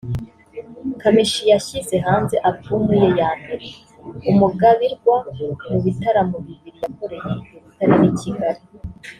Kamichi yashyize hanze album ye ya mbere ‘Umugabirwa’ mu bitaramo bibiri yakoreye i Butare n’i Kigali